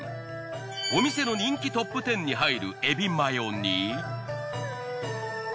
お店の人気トップ１０に入る海老マヨに。